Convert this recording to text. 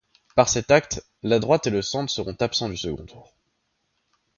Par cet acte, la droite et le centre seront absents du second tour.